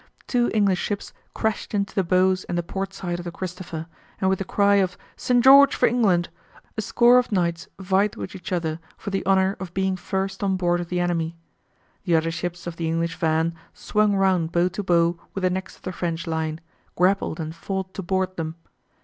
Two English ships crashed into the bows and the port side of the "Cristopher," and with the cry of "St. George for England!" a score of knights vied with each other for the honour of being first on board of the enemy. The other ships of the English van swung round bow to bow with the next of the French line, grappled and fought to board them.